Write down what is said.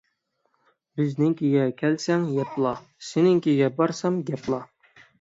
بىزنىڭكىگە كەلسەڭ يەپلا، سېنىڭكىگە بارسام گەپلا.